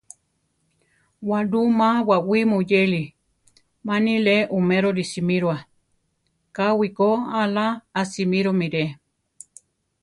Walú ma bawí muyéli, ma ni le oméroli simíroa, káwi ko alá a simíromi re.